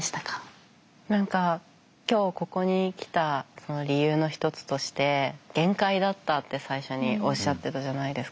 何か今日ここに来た理由の一つとして「限界だった」って最初におっしゃってたじゃないですか。